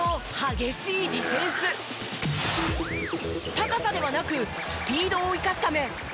高さではなくスピードを生かすため。